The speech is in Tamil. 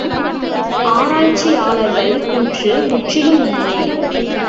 ஆராய்ச்சியாளர்கள் கூற்று முற்றிலும் உண்மை.